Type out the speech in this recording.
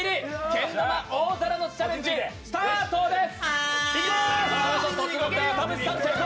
けん玉・大皿乗せチャレンジスタートです！